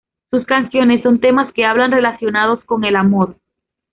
Sus canciones son temas que hablan relacionados con el amor.